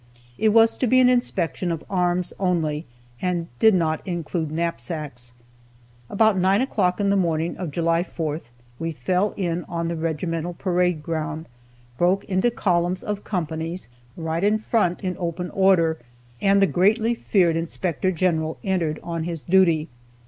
It was to be an inspection of arms only, and did not include knapsacks. About 9 o'clock on the morning of July 4th, we fell in on the regimental parade ground, broke into columns of companies, right in front, in open order, and the greatly feared Inspector General entered on his duty.